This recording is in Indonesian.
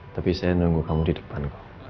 tapi saya nunggu kamu di depan